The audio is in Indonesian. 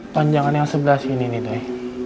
panjangan yang sebelah sini nidoy